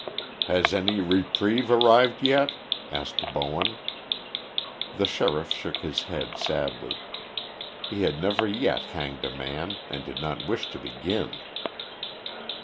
"Has any reprieve arrived yet?" asked Bowen. The sheriff shook his head sadly. He had never yet hanged a man, and did not wish to begin.